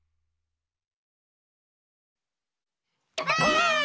ばあっ！